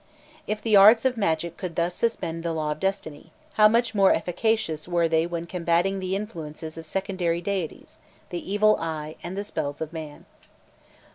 If the arts of magic could thus suspend the law of destiny, how much more efficacious were they when combating the influences of secondary deities, the evil eye, and the spells of man?